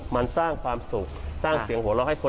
มันสร้างความสุขสร้างเสียงหัวเราะให้คน